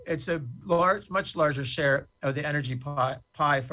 ini adalah perbagian energi yang lebih besar